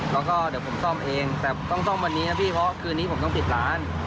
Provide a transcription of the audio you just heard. แล้วก็เดี๋ยวผมซ่อมเองแต่ต้องซ่อมวันนี้นะพี่เพราะคืนนี้ผมต้องปิดร้าน